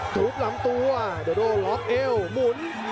ถูกหลังตัวโดโดล้อล็อคเอวหมุน